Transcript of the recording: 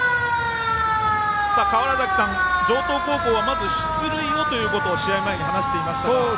川原崎さん、城東高校はまず出塁をということを試合前に話していましたが。